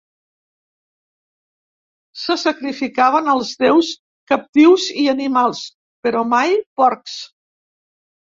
Se sacrificaven, als déus, captius i animals, però mai porcs.